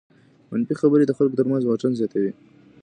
منفي خبرې د خلکو تر منځ واټن زیاتوي.